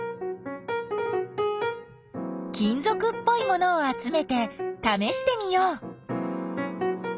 金ぞくっぽいものをあつめてためしてみよう。